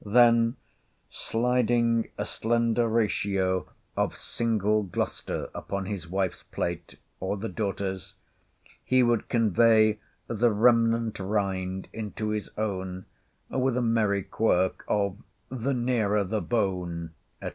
Then sliding a slender ratio of Single Gloucester upon his wife's plate, or the daughter's, he would convey the remanent rind into his own, with a merry quirk of "the nearer the bone," &c.